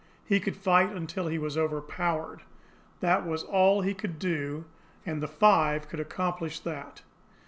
He could fight until he was overpowered, that was all he could do, and the five could accomplish that.